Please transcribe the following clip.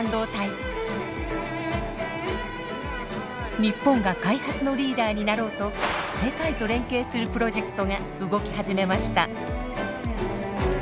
日本が開発のリーダーになろうと世界と連携するプロジェクトが動き始めました。